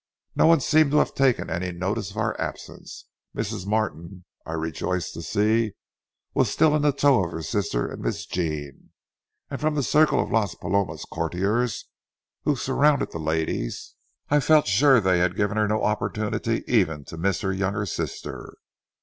No one seemed to have taken any notice of our absence. Mrs. Martin, I rejoiced to see, was still in tow of her sister and Miss Jean, and from the circle of Las Palomas courtiers who surrounded the ladies, I felt sure they had given her no opportunity even to miss her younger sister.